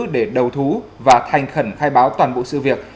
để đầu thú và thành khẩn khai báo toàn bộ sự việc